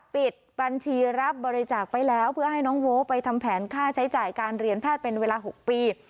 ปิดบัญชีรับบริจาคไปแล้วเพื่อให้น้องโว้ไปทำแผนค่าใช้จ่ายการเรียนแพทย์เป็นเวลา๖ปี